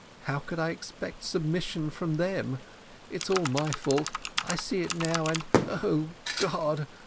How could I expect submission from them? It's all my fault I see it now and, O God!